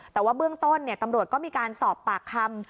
แต่ว่าเบื้องต้นตำรวจก็มีการสอบปากคำ